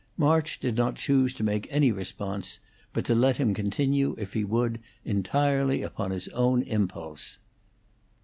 March did not choose to make any response, but to let him continue, if he would, entirely upon his own impulse.